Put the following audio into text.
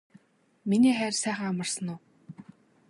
миний хайр сайхан амарсан уу